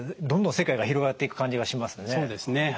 どんどん世界が広がっていく感じがしますね。